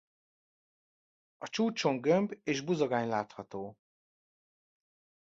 A csúcson gömb és buzogány látható.